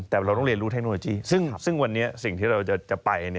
แต่เราต้องเรียนรู้เทคโนโลยีซึ่งวันนี้สิ่งที่เราจะไป